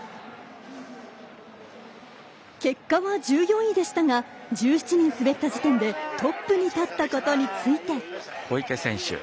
結果は１４位でしたが１７人滑った時点でトップに立ったことについて。